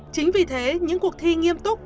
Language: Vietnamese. chính vì thế những cuộc thi nghiêm túc